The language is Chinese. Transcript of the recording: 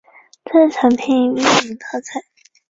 特色产品裕民泡菜。